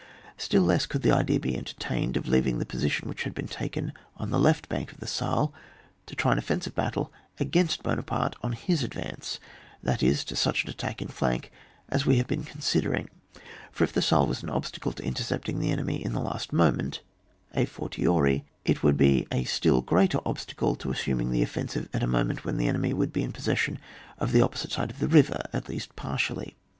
Still less could the idea be enter tained of leaving the position which had been taken on the left bank of the Saale to try an oflensive battle against Buona parte on his advance, that is, to such an attack in flank as we have been consider ing ; for if the Saale was an obstacle to intercepting the enemy in the last mo ment (d fortiori) it would be a still greater obstacle to assuming the offensiye at a moment when the enemy would be in possession of the opposite side of the river, at least partially.